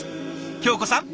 京子さん